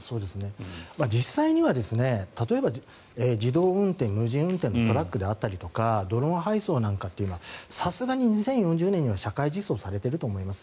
実際には例えば自動運転、無人運転のトラックであったりとかドローン配送なんかはさすがに２０４０年には社会実装されていると思います。